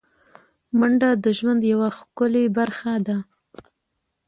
منډه د ژوند یوه ښکلی برخه ده